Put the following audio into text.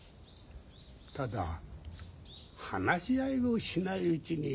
ただ話し合いをしないうちに結論を出すな。